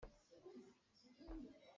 Na fiim a hau.